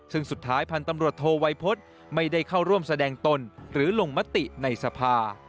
ซึ่งสุดท้ายพันธ์ตำรวจโทวัยพฤษไม่ได้เข้าร่วมแสดงตนหรือลงมติในสภา